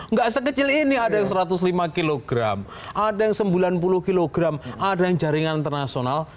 nggak sekecil ini ada yang satu ratus lima kg ada yang sembilan puluh kg ada yang jaringan internasional